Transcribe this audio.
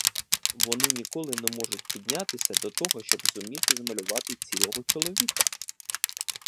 Вони ніколи не можуть піднятися до того, щоб зуміти змалювати цілого чоловіка.